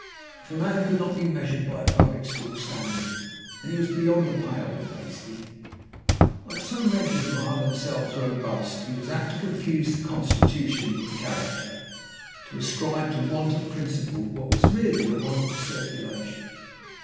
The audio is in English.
If a man could not be measured by a public school standard, then he was beyond the pale with Hastie. Like so many who are themselves robust, he was apt to confuse the constitution with the character, to ascribe to want of principle what was really a want of circulation.